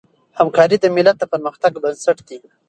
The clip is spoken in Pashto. همکاري د ملت د پرمختګ بنسټ دی.